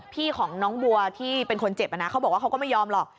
พี่น้องของน้องบัวที่เป็นคนเจ็บนะเขาบอกว่าเขาก็ไม่ยอมหรอก